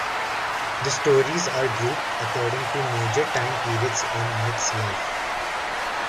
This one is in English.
The stories are grouped according to major time periods in Nick's life.